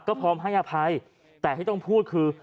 ก็พร้อมให้อภัยแต่ที่ต้องพูดคือ